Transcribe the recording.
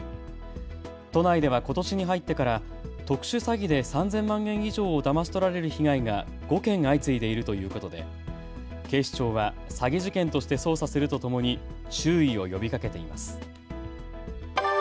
都内ではことしに入ってから特殊詐欺で３０００万円以上をだまし取られる被害が５件相次いでいるということで警視庁は詐欺事件として捜査するとともに注意を呼びかけています。